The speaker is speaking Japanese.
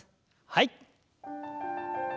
はい。